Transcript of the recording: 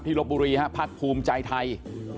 ที่รบบุรีภักดิ์ภูมิใจไทย